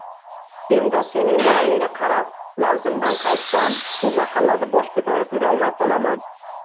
Endi sening ra`yingga qarab, lafzimdan qaytsam, bu mahallada bosh ko`tarib yurolmay qolaman